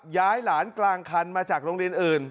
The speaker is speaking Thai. ย้ายหลานกลางคันมาจากโรงเรียนอื่น